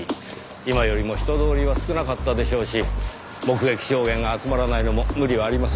今よりも人通りは少なかったでしょうし目撃証言が集まらないのも無理はありませんねぇ。